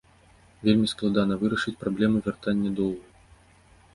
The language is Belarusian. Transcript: Вельмі складана вырашыць праблему вяртанне доўгу.